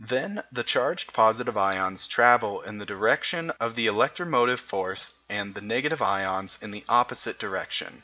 Then the charged positive ions travel in the direction of the electromotive force and the negative ions in the opposite direction.